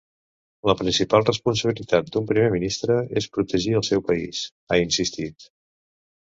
“La principal responsabilitat d’un primer ministre és protegir el seu país”, ha insistit.